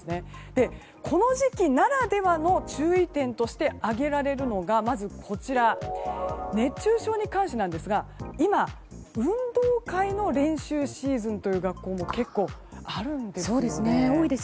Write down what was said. この時期ならではの注意点として挙げられるのがまず、熱中症に関してなんですが今、運動会の練習シーズンという学校も結構あるんですね。